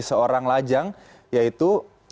seorang lajang yaitu